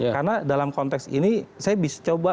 karena dalam konteks ini saya bisa coba